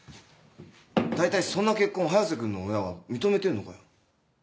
大体そんな結婚早瀬君の親は認めてんのかよ。